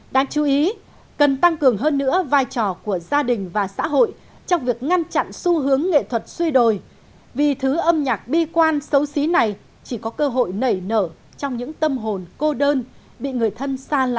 đáng chú ý cần tăng cường hơn nữa vai trò của gia đình và xã hội trong việc ngăn chặn xu hướng nghệ thuật suy đổi vì thứ âm nhạc bi quan xấu xí này chỉ có cơ hội nảy nở trong những tâm hồn cô đơn